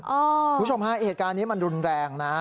คุณผู้ชมฮะเหตุการณ์นี้มันรุนแรงนะ